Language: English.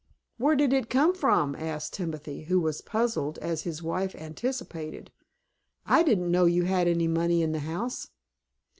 "Where did it come from?" asked Timothy, who was puzzled, as his wife anticipated. "I didn't know you had any money in the house."